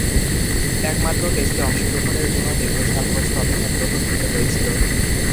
একমাত্র টেস্টে অংশগ্রহণের জন্যে দীর্ঘ সাত বছর অপেক্ষার প্রহর গুণতে হয়েছিল।